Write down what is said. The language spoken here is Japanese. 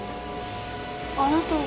あなたは？